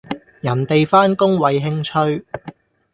人地返工為興趣